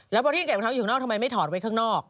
แล้วพอที่เก็บรองเท้าอยู่ข้างนอกทำไมไม่ถอดไว้ข้างนอก